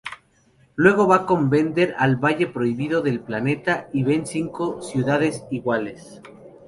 Luego va con Bender al valle prohibido del planeta y ven cinco ciudades iguales.